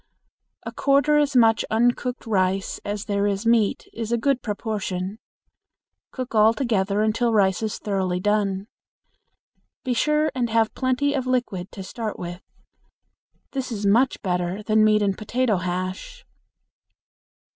A quarter as much uncooked rice as there is meat is a good proportion. Cook all together until rice is thoroughly done. Be sure and have plenty of liquid to start with. This is much better than meat and potato hash.